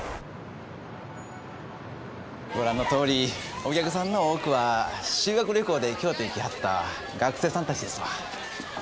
ご覧のとおりお客さんの多くは修学旅行で京都に来はった学生さん達ですわ。